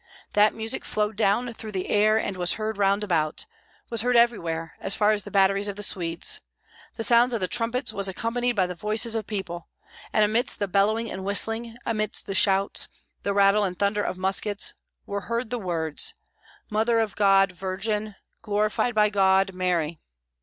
That music flowed down through the air and was heard round about, was heard everywhere, as far as the batteries of the Swedes. The sound of the trumpets was accompanied by the voices of people, and amidst the bellowing and whistling, amidst the shouts, the rattle and thunder of muskets, were heard the words, "Mother of God, Virgin, Glorified by God Mary!"